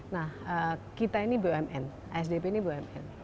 nah kita ini bumn asdp ini bumn